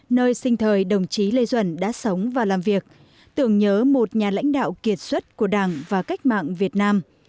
nơi sinh thời đồng chí lê duẩn đã sống và làm việc tưởng nhớ một nhà lãnh đạo kiệt xuất của đảng và cách mạng việt nam